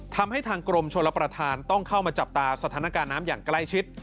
ทางกรมชลประธานต้องเข้ามาจับตาสถานการณ์น้ำอย่างใกล้ชิด